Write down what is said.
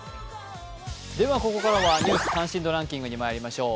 ここからは「ニュース関心度ランキング」にまいりましょう。